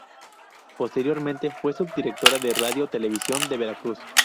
Posteriormente fue subdirectora de Radio televisión de Veracruz.